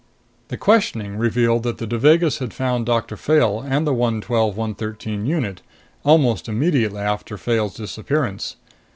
The questioning revealed that the Devagas had found Doctor Fayle and the 112 113 unit, almost immediately after Fayle's disappearance.